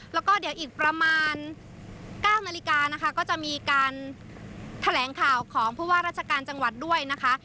แล้วก็เดี๋ยวอีกประมาณ๙นาฬิกานะคะก็จะมีการแถลงข่าวของผู้ว่าราชการจังหวัดด้วยนะคะ